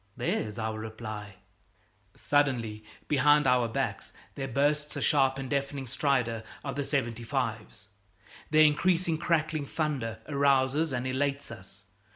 There's our reply! Suddenly, behind our backs, there bursts the sharp and deafening stridor of the 75's. Their increasing crackling thunder arouses and elates us.